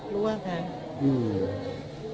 กลัวค่ะ